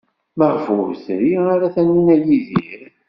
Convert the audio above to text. Maɣef ur tri ara Taninna Yidir?